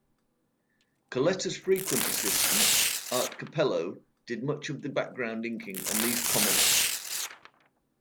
Colletta's frequent assistant Art Cappello did much of the background inking on these comics.